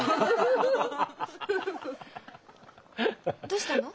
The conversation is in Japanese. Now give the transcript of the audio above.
どうしたの？